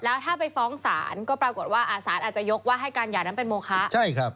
แล้วถ้าไปฟ้องศาลก็ปรากฏว่าสารอาจจะยกว่าให้การหย่านั้นเป็นโมคะใช่ครับ